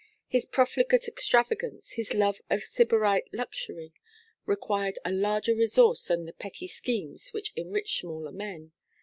His profligate extravagance, his love of sybarite luxury, required a larger resource than the petty schemes which enrich smaller men.